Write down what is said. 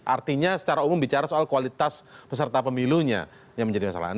artinya secara umum bicara soal kualitas peserta pemilunya yang menjadi masalah